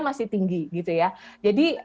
masih tinggi gitu ya jadi